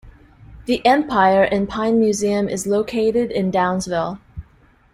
The Empire in Pine Museum is located in Downsville.